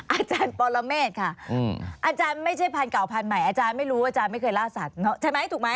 อาจารย์ปรเมฆค่ะอาจารย์ไม่ใช่พันธุ์เก่าพันธุ์ใหม่อาจารย์ไม่รู้ว่าอาจารย์ไม่เคยล่าสัตว์ใช่ไหมถูกไหม